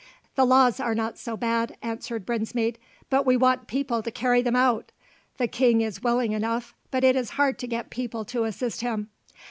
"The laws are not so bad," answered Brinsmead, "but we want people to carry them out. The king is willing enough, but it is hard to get people to assist him.